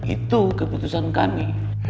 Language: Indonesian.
itu keputusan kami